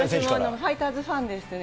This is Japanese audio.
ファイターズファンですね。